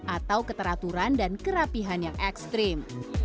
atau keteraturan dan kerapihan yang ekstrim